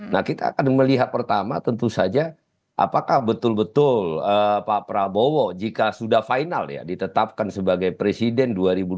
nah kita akan melihat pertama tentu saja apakah betul betul pak prabowo jika sudah final ya ditetapkan sebagai presiden dua ribu dua puluh